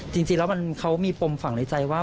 จริงแล้วเขามีปมฝั่งในใจว่า